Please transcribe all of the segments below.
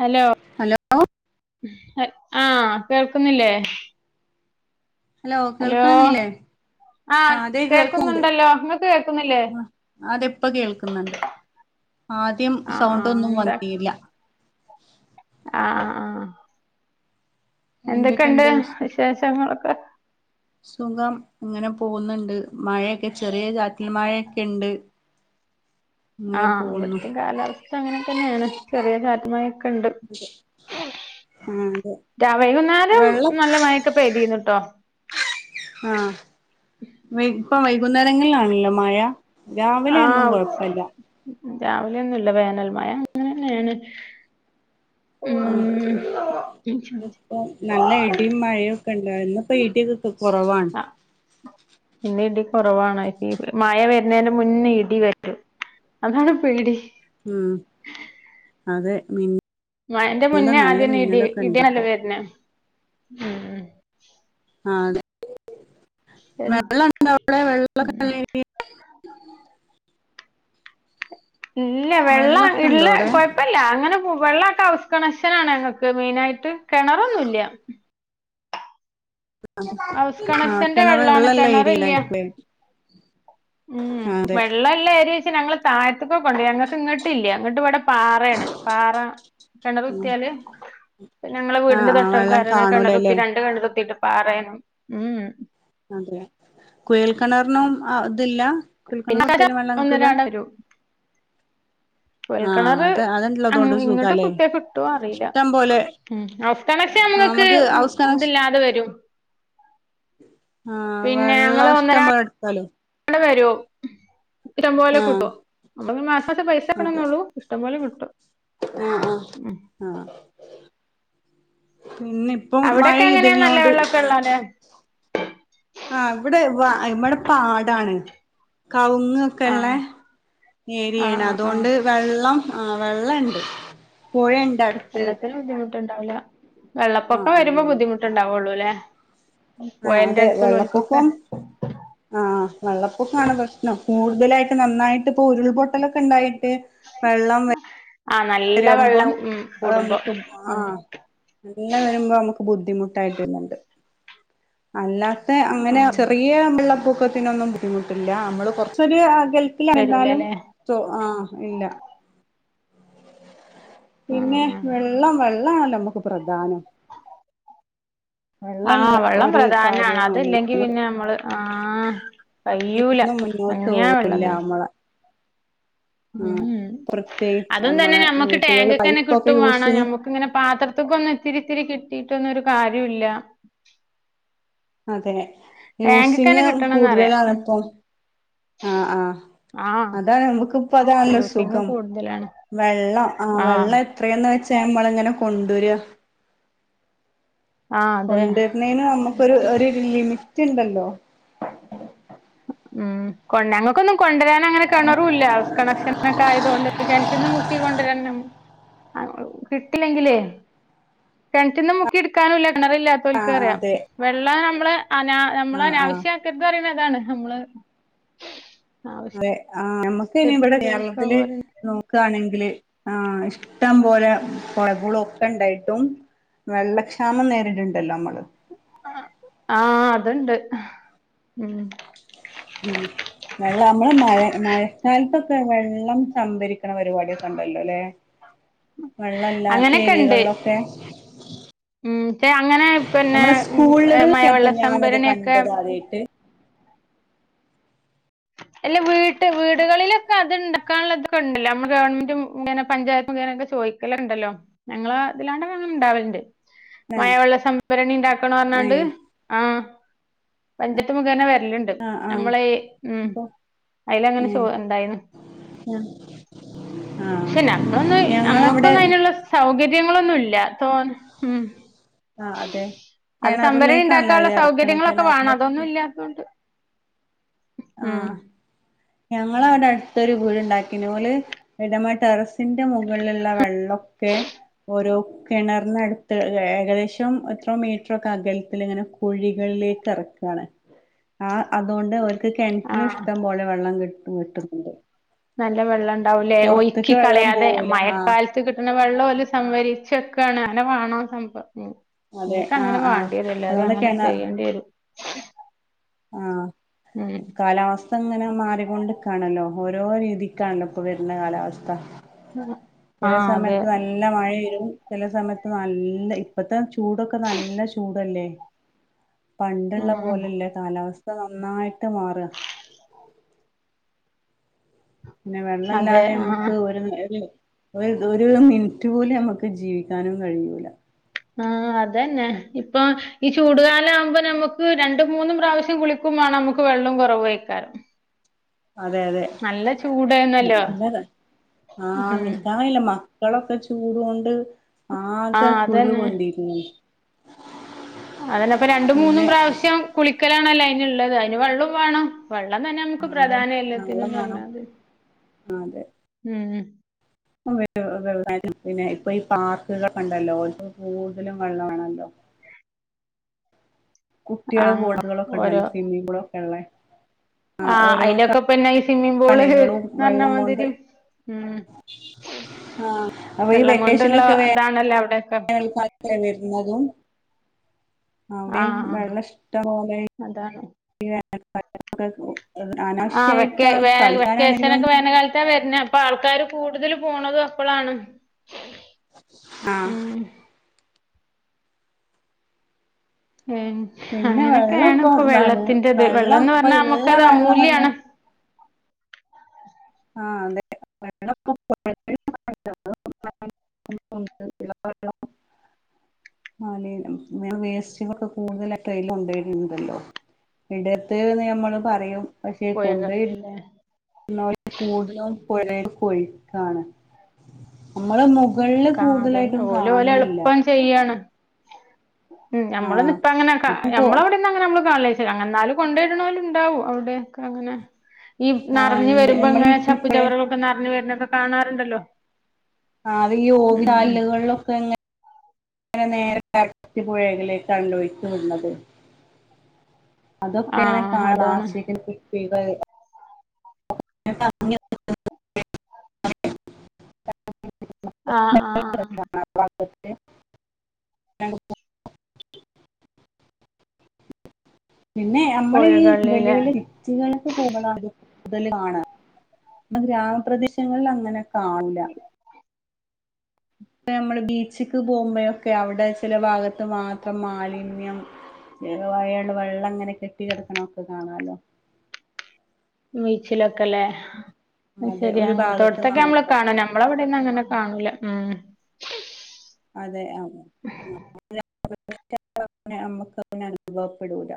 Hello hello ആഹ് കേൾക്കുന്നില്ലേ hello കേൾക്കന്നില്ലേ ആ അതെ കേൾക്ക്ണ്ട് കേക്കുന്നുണ്ടല്ലോ ഇങ്ങക്ക് കേക്കുന്നില്ലേ ആ അതെ ഇപ്പ കേൾക്കുന്നുണ്ട് ആദ്യം ആ ആ സൗണ്ടൊന്നും എന്താ വന്നീല്ല ആ ആ ആഹ് എന്തൊക്കെണ്ട് എന്തൊക്കെയുണ്ട് വിശേഷങ്ങളൊക്ക ള് സുഖം ഇങ്ങനെ പോകുന്നുണ്ട് മഴയൊക്കെ ചെറിയ ചാറ്റൽ മഴയൊക്കെ ഉണ്ട് അങ്ങനെ ആഹ് പോകുന്നു ഇവിടത്തിം കാലാവസ്ഥ അങ്ങനെക്കന്നേണ് ചെറിയ കാ [unintelligible] ക്കണ്ട് ആ അതെ രാ വൈകുന്നേരം വെള്ളം നല്ല മഴെക്ക പെയ്തീന്ന്ട്ടോ ആഹ് വൈ ഇപ്പം വൈകുന്നേരങ്ങളിലാണല്ലോ മയ രാവിലെ ഒന്നും കൊഴപ്പല്ല രാവിലെയൊന്നുംല്ല വേനൽ മഴ അങ്ങനന്നെണ് ഉം ആ ഒക്കെണ്ടായിരുന്നു ഇന്നിപ്പം ഇടി ക്കെ കൊറവാണ് ഇന്നിടി കൊറവാണ് മഴ വരുന്നേന്റ മുന്ന ഇടി വരും അതാണ് പേടി ഉം അതെ മി മഴെന്റെ ഇന്നലെ മുന്നേ നല്ല ആദ്യന്ന ഇടി മിന്നലൊക്കെ ഉണ്ട് ഇടിയാണല്ലോ ഇപ്പോ വര്ണ ഉം ആ അതെ ഉം വെള്ളണ്ടാ അവിടെ വെള്ളൊക്കെ [unintelligible] ഇല്ല വെള്ളം വെള്ളൊക്കെ ഉണ്ടോ ഇള്ള അവിടെ കൊഴപ്പല്ല അങ്ങനെ വെള്ളൊക്കെ ഹൗസ് കണക്ഷനാണ് ങ്ങക്ക് മെയിനായിട്ട് കെണറൊന്നുംല്ല ആ ആഹ് കണക്ഷന്റെ വെള്ളാണ് കെണറുള്ളെല്ല കിണറില്ല [unintelligible] ഉം വെള്ളല്ല ഏരിയക്ക് ഞങ്ങള് [unintelligible] ഇങ്ങോട്ട ഇല്ല അങ്ങോട്ട് ഇവിടെ പാറയാണ് പാറ കിണറുത്തിയാല് ഞങ്ങളെ ആ വീടിന്റെ ആ വെള്ളം [unintelligible] കിണറുത്തി കാണൂലല്ലേ രണ്ട് കിണറുത്തിട്ട് പറയണം ഉം അതെ കുഴൽ കിണറിനും ആ അല്ല കുഴൽ കിണര്‍ പിന്നെ കുത്തിയാലും വെള്ളം കിട്ടൂല കുഴൽ ആ കിണർ അത് അതുള്ളതുകൊണ്ട് ഇങ്ങോട്ട് സുഖാല്ലേ കുത്തിയ കിട്ടോന്ന് അറിയില്ല ഇഷ്ടം പോലെ [unintelligible] ആ നമക്ക് നമുക്ക് ഹൗസ് കണക്ഷൻ ഇതില്ലാതെ വരും ആഹ പിന്നെ വെള്ളം ഞങ്ങള് ഇഷ്ടം പോലെ ഒന്നരാടം എടുത്താലോ [inaudible] ഇഷ്ടം പോലെ കിട്ടോ നുക്ക് മാസത്തെ പൈസ അതെ കക്കഉള്ളൂ ഇഷ്ടം പോലെ കിട്ടും [inaudible] ആ ആ ഉം ആ പിന്നെ ഇപ്പം മഴ അവിടൊക്കെ എങ്ങനെയാ നല്ല ഇതിനോണ്ട് വെള്ളമൊക്കെ ഇട്ടത ഉള്ളോല്ലേ ആഹ ഇവിടെ വ ഇവടെ പാടാണ് കവുങ്ങ് ക്കെ ഉള്ള ആഹ് ആഹ് ഏരിയാണ് ആഹ് ആഹ് അതുകൊണ്ട് വെള്ളം ആഹ വെള്ള ണ്ട് പുഴണ്ടടുത്ത് ണ്ടാവില്ല വെള്ളപ്പൊക്കെ വരുമ്പോ ബുദ്ധിമുട്ടുണ്ടാവുള്ളു ല്ലേ [inaudible] ആ പൊഴന്റെ അതെ അടുത്തുള്ളോൽക്കൊക്കെ വെള്ളപ്പൊക്കം ആ വെള്ളപ്പൊക്കമാണ് പ്രശ്നം കൂടുതലായിട്ട് നന്നായിട്ട് ഇപ്പൊ ഉരുൾപൊട്ടലൊക്കെ ഇണ്ടായി [unintelligible] വെള്ളം ആഹ് നല്ല വരുമ്പം വെള്ളം ഉം അത് കൂടുമ്പോ നമുക്ക് ആ ഉം നല്ല വരുമ്പോം നമുക്ക് ബുദ്ധിമുട്ടായിട്ടണ്ട് അല്ലാ ത്തെ അങ്ങനെ ആഹ് ചെറിയ വെള്ളപ്പൊക്കത്തിനൊന്നും ബുദ്ധിമുട്ട് ഇല്ല നമ്മള് കുറച്ചൊരു ഗൾഫിലായിരുന്നാലും വരൂലല്ലേ [unintelligible] ആ ഇല്ല ആഹ് പിന്നെ ആഹ് വെള്ളം [unintelligible] വെള്ളാണല്ലോ നമുക്ക് പ്രധാനം- വെള്ളല്ല ആഹ് വെള്ളം ഒരു പ്രധാനാണ് കാര്യവും അത് ല്ലെങ്കി പിന്നെ അമ്മള്- ആഹ് - ജീവിതം മുന്നോട്ട് പോവില്ല നമ്മളെ- ആഹ് ഉം പ്രത്യേകിച്ച് അതും നമ്മളെ തന്നെഞമ്മക് വീട്ടുകളിൽ ടാങ്ക്ക് തന്നെ പൈപ്പൊക്കെ കിട്ടും വേണം യൂസിങ് ഞമ്മുക്ക് ഇങ്ങനെ പാത്രത്ത്കൊന്നും ഇത്തിരി ഇത്തിരി കി കിട്ടീട്ടൊന്നൊരു കാര്യോ ഇല്ല. അതെ- യൂസിങ് കിട്ടണംന്നറിയാ കൂടുതലാണ് ഇപ്പോ ആഹ് ആഹ് ആഹ് അതാണ് നമുക്കിപ്പോ അതാണല്ലോ യൂസിങ് സുഖം കൂടുതലാണ് വെള്ളം ആഹ് വെള്ളം എത്രേന്ന് വെച്ച ഞമ്മള് എങ്ങനെ കൊണ്ടുവരിക ആഹ് അതെ കൊണ്ടുവരനേണ് നമ്മുക്കൊരു ഒരു ലിമി റ്റിണ്ടല്ലോ ഉം കൊണ്ട അങ്ങക്കൊന്നും കൊണ്ടരാൻ അങ്ങനെ കെണറൂല്ല ഹൗസ് കണക്ഷൻ ഒക്കെ ആയതോണ്ട്. കെണറ്റിന്ന് മുക്കി കൊണ്ടരണം ആ കിട്ടില്ലെങ്കില് കെണറ്റിന്ന് മുക്കി എടുക്കാനു ഇല്ല കെണറില്ലാത്തോൽക്കറിയാം അതെ വെള്ളം നമ്മള് അനാ ആ നമ്മള് ആ അനാവശ്യാക്കരുതെന്ന് പറയണത് അതാണ്. നമ്മള് അതെ ആഹ് ആ നമുക്ക് പിന്നെ ആവശ്യത്തിന് ഇവിടെ ഉപയോഗിക്കാ കേരളത്തില് പറയണ നോക്കാണെങ്കില് ആ ഇഷ്ടം പോലെ പൊളകുളൊക്കെ ഉണ്ടായിട്ടും വെള്ളക്ഷാമം നേരിട്‌ണ്ടല്ലോ നമ്മള് ആഹ് അതുണ്ട് ഉം ഉം വെള്ളം നമ്മള് മഴ മഴക്കാലത്തൊക്കെ വെള്ളം സംഭരി ക്കണ പരിപാടൊക്കെ ഇണ്ടല്ലോ അല്ലെ വെള്ളം ഇല്ലാത്ത അങ്ങനെയൊക്കെ ഉണ്ട് ഏര്യകളിലൊക്കെ. ഉം പക്ഷെ അങ്ങനെ പിന്നെ സ്കൂളുകളിലൊക്കെ അപ്പൊ മഴവെള്ള ഞാനത് സംഭരണിയൊക്കെ കണ്ടത് ആദ്യായിട്ട് അല്ല വീട്ട് വീടുകളിലൊക്കെ അത്ണ്ടാക്കാനുള്ളതൊക്കെ ഉണ്ടല്ലൊ നമ്മള് ഗവൺമെന്റും ഇങ്ങനെ പഞ്ചായത്തും ഇങ്ങനൊക്കെ ചോദിക്കലുണ്ടല്ലോ ഞങ്ങള് അതിലാണ്ടങ്ങ നെ ഇണ്ടാവലുണ്ട് ഏ മഴവെള്ള സംഭരണി ഇണ്ടാക്കണം ഏ പറഞ്ഞാണ്ട് ആഹ് പഞ്ചാത്ത് മുഖേന വേ ല്ലണ്ട് ആ ആ നമ്മളെ ഇ ഉം അപ്പൊ അതില്ങ്ങനെ ഏ ചോയ് ണ്ടായിൻ ആ ആഹ് ക്ഷെ ഞങ്ങള്ളോന്ന് ഞങ്ങളവിടെ നമ്മക്കൊന്നും അതിനുള്ള സൗക ര്യങ്ങളൊന്നു ഇല്ല. തോൻ ഉം ആഹ് അതെ അത് സംഭരണി കിണറിലേക്കാണല്ലോ അത് ഇണ്ടാക്കാനുള്ള ഇറക്കണ സൗകര്യങ്ങളൊക്കെ വേണം കിണറിന്റെ അതൊന്നും ഇല്ലാത്തൊണ്ട് ആഹ് ഞങ്ങളവിടെ അടുത്തൊരു വീട്ണ്ടാക്കി നോള് വീട്മ്മേടെറസ് ത്തിന്റെ മുകളിലുള്ള വെള്ളൊക്കെ ഒരോ കെണറിനടുത്ത് ഏകദേശം എത്രോ മീറ്ററൊക്കെ അകലത്തിലിങ്ങനെ കുഴികളിലേക്ക് എറക്കുകാണ് ആ അതുകൊണ്ട് ഒ ക്ക് കെണറ്റിലും ആഹ് ഇഷ്ടം പോലെ വെള്ളം കി വെട്ടുന്നുണ്ട് നല്ല വെള്ളം ണ്ടാവില്ലേ ഒയ്ക്കി വെള്ളം കളയാതെ പോവൂല ആഹ് മയക്കാലത്ത് കിട്ടുന്ന വെള്ളോ ല് സംവരിച്ച്ക്കാണ് അങ്ങനെ വേണോ സംഭ ഉം അതെ എയ്ക്കങ്ങനെ ആഹ് ആഹ് വേണ്ടിയതില്ല എല്ലാരും അതുകൊണ്ട് അങ്ങനെ ചെയ്യേണ്ടി വരും ങാ ഉം കാലാവസ് പ്പങ്ങനെ മാറിക്കൊണ്ട്ക്കാണല്ലോ ഓരോ രീതിക്കാണല്ലോ ഇപ്പ വരുന്ന കാലാവസ്ഥ ചെല ആഹ് അതെ സമയത്ത് നല്ല മഴ വരും ചെല സമയ നല്ല ഇപ്പത്തെ ചൂടൊക്കെ നല്ല ചൂടല്ലേ പണ്ട്ള്ള ഉം പോലല്ലെ കാലാവസ് ഇപ്പ നന്നായിട്ട് മാറുക പിന്നെ അതെ വെള്ളല്ലാതെ ആഹ് നമ്മുക്ക് ഒരു [unintelligible] ഒരു ഇതോരെ ഒരു മിനിറ്റ് പോലും നമ്മുക്ക് ജീവിക്കാനും കഴിയൂല ങാ അതന്നെ ഇപ്പൊ ഈ ചൂടുകാലം ആകുമ്പോ നമ്മുക്ക് രണ്ടും മൂന്നും പ്രാവശ്യം കുളിക്കും മേണം നമുക്ക് വെള്ളോം കൊറ്വായിക്കാറ് അതെ അതെ ആ ഉം നിക്കാങ്കയില്ലമ്മ ഞങ്ങളൊക്കെച്ചൂട്കൊണ്ട് ആകെ ആഹ് കുരു കൊണ്ടിരുന്നു അതന്പ്പ രണ്ടും മൂന്നും പിന്നെ പ്രാവശ്യം കുളിക്ക പക്കലാണല്ലോ അതിനുള്ളത് അതിന് വെള്ളവും വേണം വെള്ളം തന്നെ നമുക്ക് പ്രധാനം എല്ലാത്തിനുന്ന് പറഞ്ഞാത് ആതെ ഉം ഉം വ്യ വ്യവാസായത്തിന് പിന്നെ ഇപ്പൊ ഈ പാർക്കുകൾ ഒണ്ടല്ലോ അവ്ക് കൂടുതലും വെള്ളംവേണോല്ലോ കുട്ടികള് ആഹ് ബോർഡുകളൊക്കെ ഓരോ ഉണ്ടല്ലോ സ്വിമ്മിംഗ് പൂളൊക്കെ ഒള്ളേ ആഹ് അതിലൊക്കെപ്പിന്നെ ഈ സ്വിമ്മിങ് കളികളും വെള്ളം കൊണ്ട് പൂള്ന്ന്റഞ്മാതിരി ഉ ആ വെള്ളം കൊണ്ടുള്ള ഇതാണല്ലോ അവിടെ ക്കാലല്ലേ വരുന്നതും അവയും ആഹ് വെള്ളം ഇഷ്ടം പോലെ അതാണ് [unintelligible] ആ വെ അനാവശ്യായിട്ടാണ് കളിക്കാനാണെങ്കിലും വെക്കേഷനൊക്കെ വേനൽ കാലത്താ വരുന്നെ അപ്പൊ ആൾക്കാാര് കൂടുതൽ പോണതും അപ്പോളാണ് ആ ഉം പിന്നെ അങ്ങനെയൊക്കെയ വെള്ളം ആണ് ഇപ്പൊ വെള്ളത്തിൻന്റെറത് വെള്ളം വെള്ളംന്ന് ഇപ്പൊ പറഞ്ഞാ ഇള്ള നമ്മുക്ക അത് വെള്ളം തന്നെ അമൂല്യാണ് ആഹ അതെ [unintelligible] വേസ്റ്റൊക്കെ കൂടുതലടൽ കൊണ്ട വരണ്ടല്ലോ ഇടത്ത്ന്ന് നമ്മള് പറയും പോയത എന്ന കൂടുതലും പോര പോയി കാണ കാ അതന്നെ ഓല ഓലെ കാണുന്നില്ല എളുപ്പം ചെയ്യാണ് ഉം നമ്മ ആഹ് ഇപ്പ അങ്ങനെ ഇപ്പൊ കൊ നമ്മവിടെന്ന് അങ്ങന നമ്മ കാ അങ്ങ എന്നാലും കൊണ്ടുവരുന്നൊരു ഉണ്ടാവും അവിടെയ ഒക്കെ അങ്ങനെ ഈ ആഹ് നിറഞ്ഞഞ് ഇണ്ട് വരുമ്പോ നമ്മള് ഇങ്ങനെ ചപ്പു ഇപ്പഴേ ചവറുകളൊക്കെ നിറഞ്ഞ വരുന്ന ഒക്കെ കാണാറുണ്ടല്ലോ അത് ഈ ഓവി ഉം ചാലുകൾ എങ്ങനെ അങ്ങനെ നേര അകത്തി പുഴകിലേക്കാണ് ലൊഴിച്ചു വിന്നത് അതൊക്കെ ആ അങ്ങനെ അതാണ് ശരി [inaudible] ആഹ് ആഹ് ആഹ് ഓക്കെ താങ്ക് യ പിന്നെ നമ്മള് ഈ വലിയ പുഴകളിലെ വലിയ വ്യക്തികൾക്കെ പോകണം കൂടുതൽ കാണ ഗ്രാമപ്രദേശങ്ങളിൽ അങ്ങനെ കാവല ഇപ്പ നമ്മള് ബീച്ചക്ക് പോകുമ്പോഴൊക്കെ അവിടെ ചില ഭാഗത്ത് മാത്രം മാലിന്യം ച വയാള് വെള്ളം അങ്ങനെ കെട്ടി കിടക്കണംൊക്കെ കാണാാലോ [unintelligible] അതെ ഒരു ശെരിയാണ് ഭാഗത്ത് അങ്ങനത്തെൊടത്തൊക്കെ നമ്മള് മാത്രം കാണ നമ്മള അന്ന അങ്ങനെ കാണൂല ഉ അതെ ആ [unintelligible] മ്മക്ക് അനുഭവപ്പെടൂല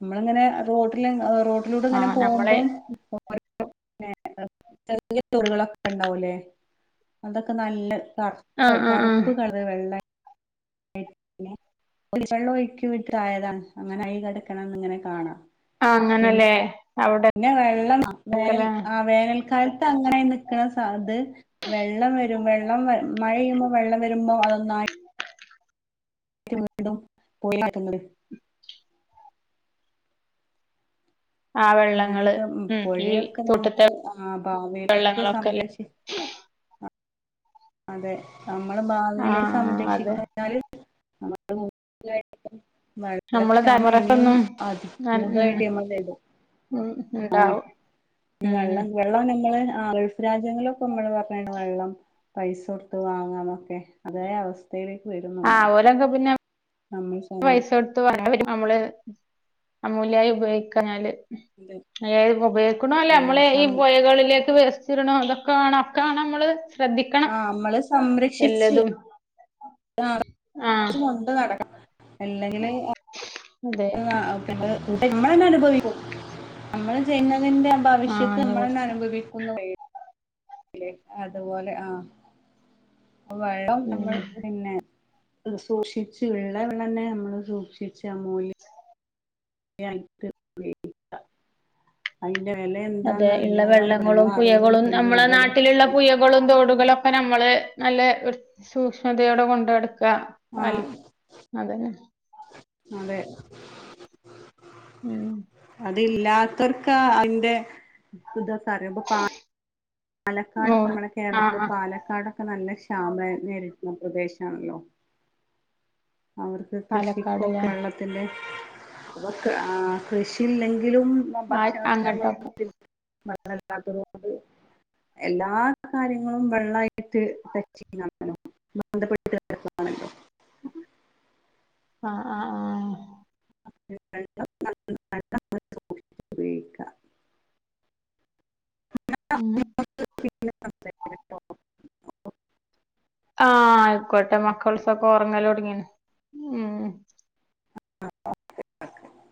നമ്മളങ്ങനെ റോഡിൽ റോട്ടിലൂടെ ഇങ്ങനെ ആഹ് പോകുമ്പോ നമ്മളെ ചെറിയ ചൊറികളൊക്കെ ഉണ്ടാവുല്ലേ അതൊക്കെ നല്ല ആഹ് ആഹ് [inaudible] ആഹ് ഉപ്പ് കടല വെള്ളെ [unintelligible] വെള്ളം ഒഴിക്കിവിട്ടായതാ അങ്ങനെയി കിടക്കണംന്ന് ഇങ്ങനെ കാണാ ആ അങ്ങനല്ലെ പിന്നെ വെള്ളം വേനൽ ആ വേനൽക്കാലത്ത് അങ്ങനെ നിക്ക്ണ ട്ടാ അത് വെള്ളം വരും വെള്ളം മഴെയ്യുമ്പോ വെള്ളം വരുമ്പോ അതുന്നായി വീണ്ടും പോയി [unintelligible] ന്നത് ആ വെള്ളങ്ങള് അങ്ങനെയോക്കെ ഉം ഈ പുഴയൊക്കെ നമ്മൾ തോട്ടത്തെ ആ ഭാവിയിലേക്ക് വെള്ളങ്ങളൊക്കെല്ലേ സംരക്ഷി അതെ നമ്മുടെ ഭാവിൽ ആഹ് അതെ സംരക്ഷിക്കാഞ്ഞാല് നമ്മ മ [unintelligible] നമ്മളെ മഴവെള്ളക്ഷാമം ഇനിയും തലമുറക്കൊന്നും അതികൂടുതൽആയിട്ട് ന്നമ്മൾ [unintelligible] ടും ഇണ്ടാവും മ് നമ്മൾ ഗൾഫ് രാജ്യങ്ങളോക്കെ നമ്മള് പറഞ്ഞ വെള്ളം പൈസ കൊടുത്ത് വാങ്ങാന്നൊക്കെ അതേ അവസ്ഥ യിലേക്ക് വരുന്നമ്മളൊക്കെ പയ്സൊടുതു [unintelligible] നമ്മള് അമൂല്ലിയായി ഉപയോഗിക്കാഞ്ഞാല് അതായത് ഉപയോഗിക്കണ അല്ലേ ആ നമ്മള ഈ സം പുഴകളിലേ വേസ്റ്റിട്ട്ണ് അതൊക്കാണോ ഒക്കാണം നമ്മള് ശ്രദ്ധിക്കണം ആ നമ്മള് സംരക്ഷിച്ച് എല്ലതും [unintelligible] ആഹ് കൊണ്ട് നടക്കണം അല്ലെങ്കിൽ അതെ [unintelligible] പിന്നെ കൂട്ട നമ്മളന്നെ അനുഭവിക്കും നമ്മള് ചെയ്ന്നെ തിന്റെ ആഹ് ഭവിഷ്യത്ത് അയിനെ നമ്മളന്നെ കുറിച്ച് അനുഭവിക്കും ന്ന് പറയും ല്ലേ അതുപോലെ ആ വെള്ളം നമ്മൾ ഉം പിന്നെ സൂക്ഷിച്ചു ഉള്ള വെള്ളനെ നമ്മള് സൂക്ഷിച്ച അമൂല്യ യിട്ട് ഉപയോഗിക്കാ അതെ ഇള്ളെ വെള്ളങ്ങളും പുഴകളും അറിയുള്ളൂ നമ്മളെ കൂടുതലും നാട്ടിലുള്ള പുഴകളും തോടും കളൊക്കെ നമ്മള് നല്ല ഒരു സൂക്ഷ്മതയോടെ കൊണ്ടട്ക്ക ക്കാ അ അല്ല ആഹ് അതന്നെ അതെ ഉം അതില്ലാത്തവർക്കേ അതിന്റെ ഇതാക്കെ അറിയും പ്പാ പാലക്കാടൊക്കെ മോൾ നമ്മളുടെ ആഹ് കേരളത്തില് ആഹ് പാലക്കാടൊക്കെ നല്ല ഇ ക്ഷാമം നേരിടുന്ന പ്രദേശാണല്ലോ അവർക്ക് കൃഷിക്കും കെ പാലക്കാട്ല്ലേ വെള്ളത്തിന്റെ അപ്പൊ ആഹ് കൃഷിയില്ലെങ്കിൽ ഇല്ലെങ്കിലും ആ ഭക്ഷണത്തിന് നമ്മൾ അങ്ങട്ടൊക്കെ ബുദ്ധി വെള്ളല്ലാത്തത് കൊണ്ട് എല്ലാ കാര്യങ്ങളും വെള്ളമായിട്ട് ടച്ച് ചെയനാണല്ലോ ബന്ധപ്പെട്ടിട്ടാണല്ലോ ആഹ് ആഹ് ആഹ് [unintelligible] ഉപയോഗിക്ക ഉം പിന്നെ [unintelligible] ആഹ് കോട്ട മക്കൾസ് ഒക്കെ ഉറങ്ങലോ ട്ങ്ങിണ് ഉം [unintelligible]